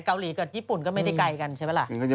เกาหลีกับญี่ปุ่นก็ไม่ได้ไกลกันใช่ไหมล่ะ